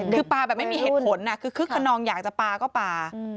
คือปลาแบบไม่มีเหตุผลคือคึกขนองอยากจะปลาก็ปลา